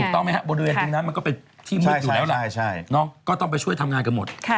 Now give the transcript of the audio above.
ถูกต้องไหมฮะบนเรือนตรงนั้นมันก็เป็นที่มึดอยู่แล้วล่ะน้องก็ต้องไปช่วยทำงานกันหมด